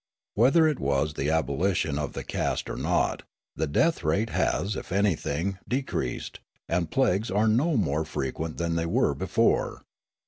Whether it was the abolition of the caste or not, the death rate has, if anything, decreased, and plagues are no more frequent than they were before.